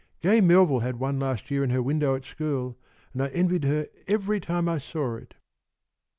Gay Melville had one last year in her window at school, and I envied her every time I saw it."